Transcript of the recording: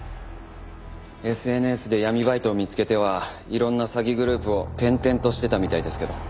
ＳＮＳで闇バイトを見つけてはいろんな詐欺グループを転々としてたみたいですけど。